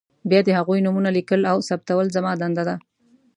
بیا د هغوی نومونه لیکل او ثبتول زما دنده ده.